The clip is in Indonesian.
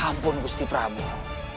ampun gusti prabowo